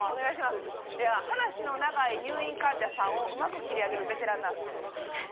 話の長い入院患者さんをうまく切り上げるベテランナース。